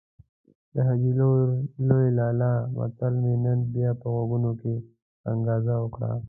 د حاجي لوی لالا متل مې نن بيا په غوږونو کې انګازه وکړه.